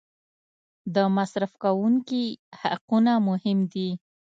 د مصرف کوونکي حقونه مهم دي.